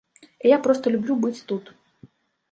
І я проста люблю быць тут.